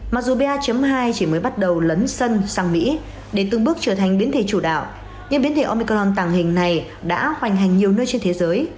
mặc dù ba hai chỉ mới bắt đầu lấn sân sang mỹ để từng bước trở thành biến thể chủ đạo những biến thể omicron tàng hình này đã hoành hành nhiều nơi trên thế giới